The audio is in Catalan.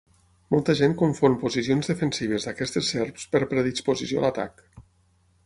Molta gent confon posicions defensives d'aquestes serps per predisposició a l'atac.